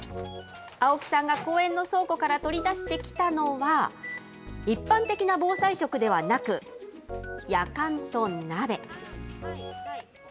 青木さんが公園の倉庫から取り出してきたのは、一般的な防災食ではなく、やかんと鍋。